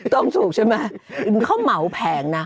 ตรงถูกใช่มั้ยเขาเหมาแพงนะ